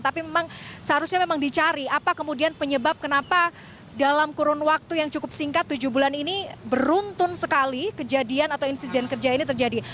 tapi memang seharusnya memang dicari apa kemudian penyebab kenapa dalam kurun waktu yang cukup singkat tujuh bulan ini beruntun sekali kejadian atau insiden kerja ini terjadi